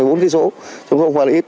chúng tôi không phải là ít